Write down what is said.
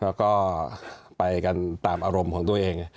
แล้วก็ไปกันตามอารมณ์ของตัวเอง